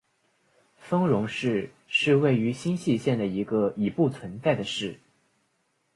丰荣市是位于新舄县的一个已不存在的市。